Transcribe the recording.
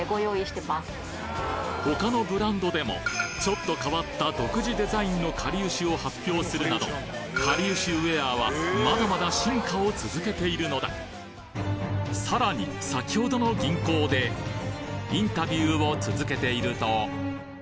他のブランドでもちょっと変わった独自デザインのかりゆしを発表するなどかりゆしウエアはまだまだ進化を続けているのださらに先ほどの銀行であるんですか？